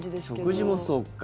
食事もそうか。